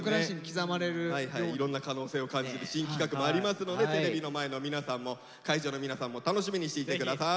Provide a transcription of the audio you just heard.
いろんな可能性を感じる新企画もありますのでテレビの前の皆さんも会場の皆さんも楽しみにしていて下さい。